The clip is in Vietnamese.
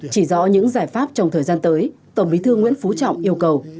chỉ rõ những giải pháp trong thời gian tới tổng bí thư nguyễn phú trọng yêu cầu